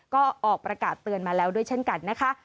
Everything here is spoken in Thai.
ก็ออกประกาศเตือนมาแล้วด้วยเช่นกันนะคะ